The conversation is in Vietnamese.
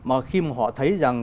mà khi mà họ thấy rằng